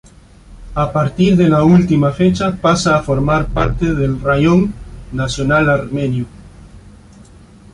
A partir de la última fecha pasa a formar parte del raión nacional armenio.